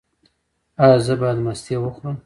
ایا زه باید مستې وخورم؟